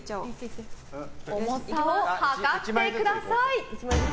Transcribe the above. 重さを量ってください！